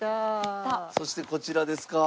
そしてこちらですか？